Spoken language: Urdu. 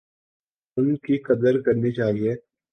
ان کی قدر کرنی چاہیے۔